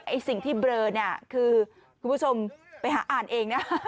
สิ่งที่เบลอเนี่ยคือคุณผู้ชมไปหาอ่านเองนะ